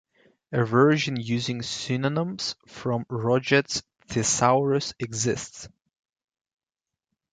A version using synonyms from Roget's Thesaurus exists.